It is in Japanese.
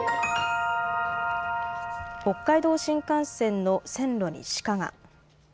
北海道新幹線の線路にシカが。